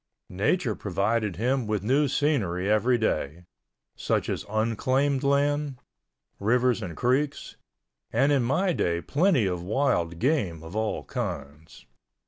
Nature provided him with new scenery every day, such as unclaimed land, rivers and creeks, and in my day plenty of wild game of all kinds.